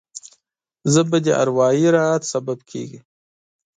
ژبه د اروايي راحت سبب کېږي